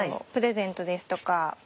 プレゼントですとか。